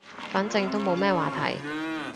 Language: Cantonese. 反正都冇乜話題